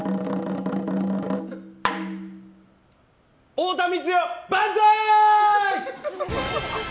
太田光代、万歳！